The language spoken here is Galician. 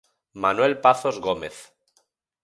Manuel Pazos Gómez.